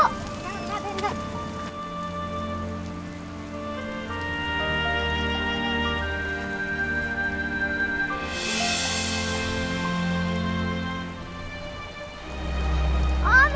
tidak tidak tidak